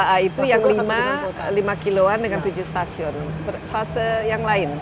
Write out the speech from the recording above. dua a itu yang lima kilo an dengan tujuh stasiun fase yang lain